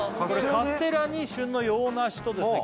かすてらに旬の洋梨とですね